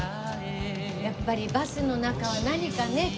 やっぱりバスの中は何かね